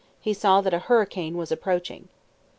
He saw that a hurricane was approaching.